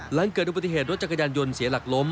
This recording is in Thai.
หลังเกิดอุบัติเหตุรถจักรยานยนต์เสียหลักล้ม